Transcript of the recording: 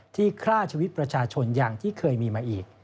ฆ่าชีวิตประชาชนอย่างที่เคยมีมาอีก